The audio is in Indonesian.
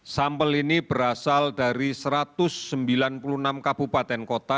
sampel ini berasal dari satu ratus sembilan puluh enam kabupaten kota